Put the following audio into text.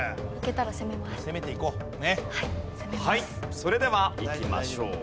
それではいきましょう。